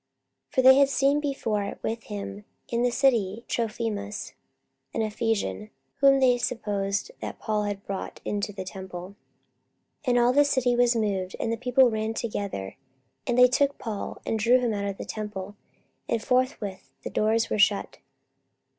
44:021:029 (For they had seen before with him in the city Trophimus an Ephesian, whom they supposed that Paul had brought into the temple.) 44:021:030 And all the city was moved, and the people ran together: and they took Paul, and drew him out of the temple: and forthwith the doors were shut.